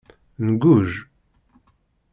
Ngujj.